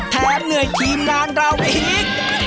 แท้เงื่อยทีมงานเราอีก